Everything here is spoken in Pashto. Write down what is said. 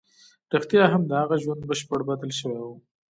رښتيا هم د هغه ژوند بشپړ بدل شوی و.